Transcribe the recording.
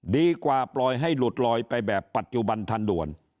ดีกว่าปล่อยให้หลุดลอยไปแบบปัจจุบันทันด่วน